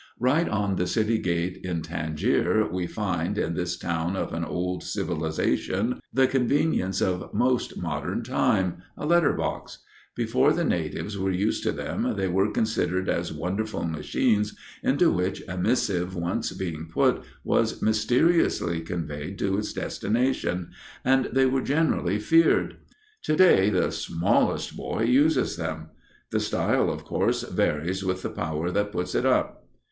Right on the city gate in Tangier we find, in this town of an old civilization, the convenience of most modern time a letter box. Before the natives were used to them they were considered as wonderful machines into which a missive once being put was mysteriously conveyed to its destination, and they were generally feared. To day the smallest boy uses them. The style of course varies with the power that puts it up.